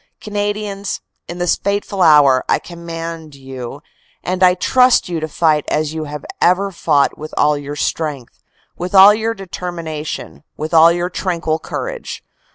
"Canadians, in this fateful hour, I command you and I trust you to fight as you have ever fought with all your strength, with all your determination, with all your tranquil courage.